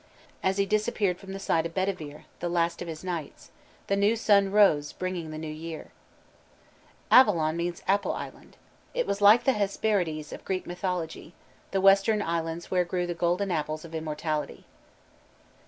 As he disappeared from the sight of Bedivere, the last of his knights, "The new sun rose bringing the new year." Ibid. Avilion means "apple island." It was like the Hesperides of Greek mythology, the western islands where grew the golden apples of immortality.